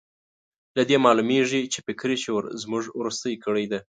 له دې معلومېږي چې فکري شعور زموږ وروستۍ کړۍ ده.